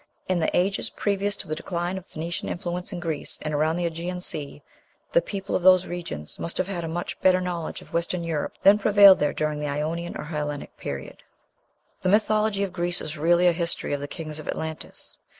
In the ages previous to the decline of Phoenician influence in Greece and around the Ægean Sea, the people of those regions must have had a much better knowledge of Western Europe than prevailed there during the Ionian or Hellenic period." The mythology of Greece is really a history of the kings of Atlantis.